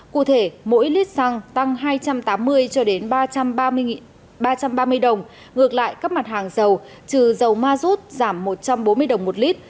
cụ thể mỗi lít xăng tăng hai trăm tám mươi cho đến ba trăm ba trăm ba mươi đồng ngược lại các mặt hàng dầu trừ dầu ma rút giảm một trăm bốn mươi đồng một lít